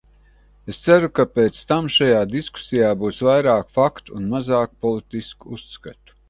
Es ceru, ka pēc tam šajā diskusijā būs vairāk faktu un mazāk politisku uzskatu.